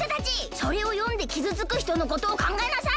それをよんできずつくひとのことをかんがえなさい！